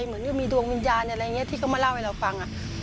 เหมือนก็มีดวงวิญญาณอะไรอย่างนี้ที่เขามาเล่าให้เราฟัง